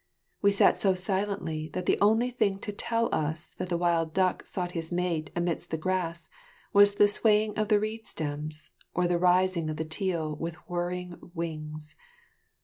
We sat so silently that the only thing to tell us that the wild duck sought his mate amidst the grass, was the swaying of the reed stems, or the rising of the teal with whirring wings.